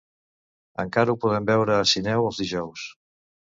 encara ho podem veure a Sineu els dijous